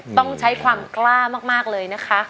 ต้องใช้ความกล้ามากเลยนะคะ